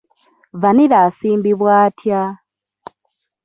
Vanilla asimbibwa atya?